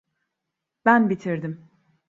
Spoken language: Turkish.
Ben bitirdim.